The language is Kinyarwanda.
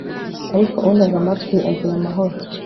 ariko untega amatwi, agira amahoro